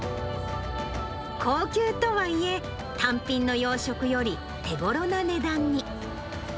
高級とはいえ、単品の洋食より手ごろな値段に。